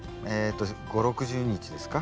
５０６０日ですか。